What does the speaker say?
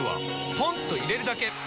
ポンと入れるだけ！